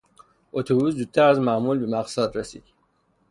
اتوبوس زودتر از معمول به مقصد رسید.